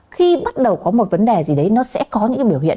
khi bắt đầu có một vấn đề gì đấy nó sẽ có những cái biểu hiện